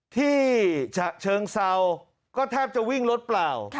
ฉะเชิงเซาก็แทบจะวิ่งรถเปล่า